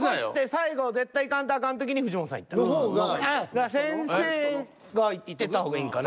だから先生がいってた方がいいんかな？